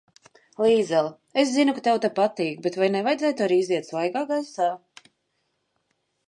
Līzel, es zinu, ka tev te patīk, bet vai nevajadzētu arī iziet svaigā gaisā?